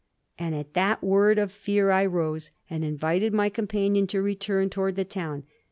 And at that word of fear I rose and invited my companion to return toward the town.